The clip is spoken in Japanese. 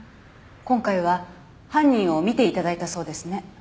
今回は犯人を見て頂いたそうですね？